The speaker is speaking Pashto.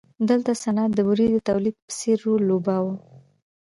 دلته صنعت د بورې د تولید په څېر رول لوباوه.